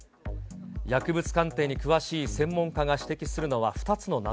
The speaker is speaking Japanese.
薬物鑑定に詳しい専門家が指摘するのは２つの謎。